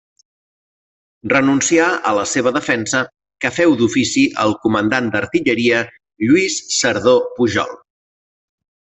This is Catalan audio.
Renuncià a la seva defensa, que feu d'ofici el comandant d'artilleria Lluís Cerdó Pujol.